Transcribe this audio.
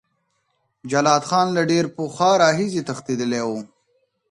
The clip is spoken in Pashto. جلات خان له ډیر پخوا راهیسې تښتېدلی و.